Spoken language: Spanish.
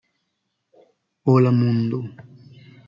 Hola mundo.